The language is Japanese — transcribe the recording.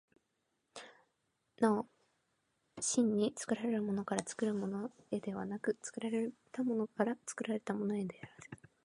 なお真に作られたものから作るものへではなくて、作られたものから作られたものへである。